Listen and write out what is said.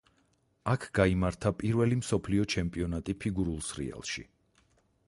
აქ გაიმართა პირველი მსოფლიო ჩემპიონატი ფიგურულ სრიალში.